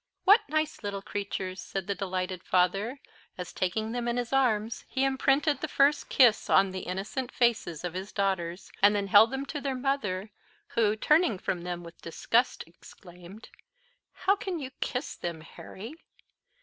"What nice little creatures!" said the delighted father, as, taking them in his arms, he imprinted the first kiss on the innocent faces of his daughters, and then held them to their mother; who, turning from them with disgust, exclaimed, "How can you kiss them, Harry?